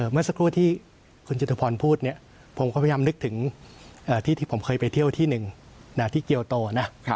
เมื่อสักครู่ที่คุณจิตุพรพูดเนี่ยผมก็พยายามนึกถึงที่ผมเคยไปเที่ยวที่หนึ่งที่เกียวโตนะ